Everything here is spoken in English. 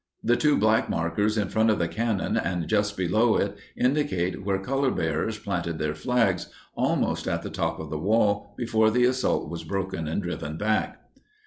The two black markers in front of the cannon and just below it indicate where colorbearers planted their flags, almost at the top of the wall, before the assault was broken and driven back.